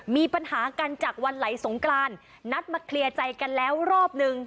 มีปัญหากันจากวันไหลสงกรานนัดมาเคลียร์ใจกันแล้วรอบนึง